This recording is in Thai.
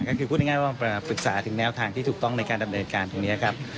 ก็คือพูดง่ายว่าปรึกษาถึงแนวทางที่ถูกต้องในการดำเนินการตรงนี้ครับ